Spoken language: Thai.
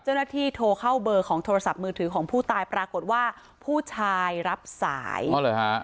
เจ้าหน้าที่โทรเข้าเบอร์ของโทรศัพท์มือถือของผู้ตายปรากฏว่าผู้ชายรับสายอ๋อเหรอฮะ